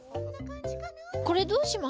これどうしますか？